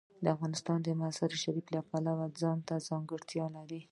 افغانستان د مزارشریف د پلوه ځانته ځانګړتیا لري.